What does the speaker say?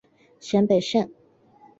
咸北线